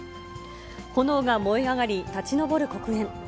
炎が燃え上がり、立ち上る黒煙。